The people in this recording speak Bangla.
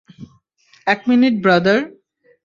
এক মিনিট ব্রাদার।